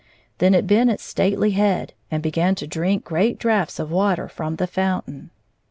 Then it bent its stately head, and began to drink great draughts of water from the fountain.